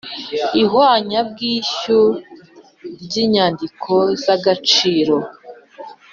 ihwanyabwishyu ry inyandiko z agaciro